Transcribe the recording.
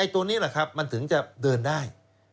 ตัวนี้แหละครับมันถึงจะเดินได้